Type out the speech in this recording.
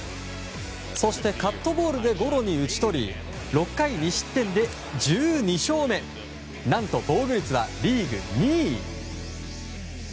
そして、カットボールでゴロに打ち取り６回２失点で１２勝目何と防御率はリーグ２位。